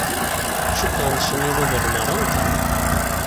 Cukkeɣ nessen ilugan merra-nteɣ.